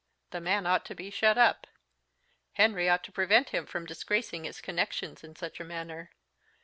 The man ought to be shut up. Henry ought to prevent him from disgracing his connexions in such a manner.